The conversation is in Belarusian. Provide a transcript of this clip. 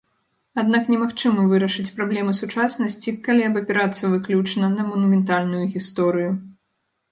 Аднак немагчыма вырашыць праблемы сучаснасці, калі абапірацца выключна на манументальную гісторыю.